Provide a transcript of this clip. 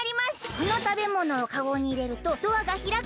「このたべものをカゴにいれるとドアがひらく」